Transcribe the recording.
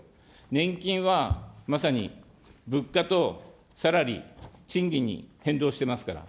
年金はまさに物価とサラリー、賃金に変動してますから。